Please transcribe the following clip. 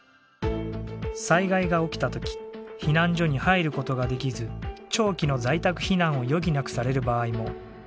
災害が起きた時避難所に入る事ができず長期の在宅避難を余儀なくされる場合も。